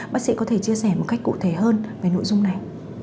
bác sĩ có thể chia sẻ một cách cụ thể hơn về nội dung này